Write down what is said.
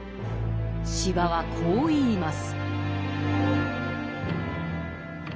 司馬はこう言います。